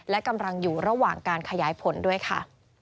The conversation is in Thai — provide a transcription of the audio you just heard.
และกำลังอยู่ระหว่างการขยายผลด้วยค่ะ